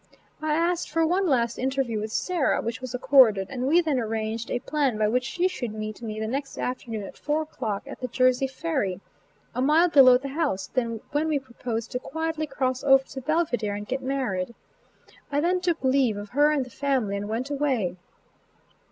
I asked for one last interview with Sarah, which was accorded, and we then arranged a plan by which she should meet me the next afternoon at four o'clock at the Jersey ferry, a mile below the house, when we proposed to quietly cross over to Belvidere and get married. I then took leave of her and the family and went away.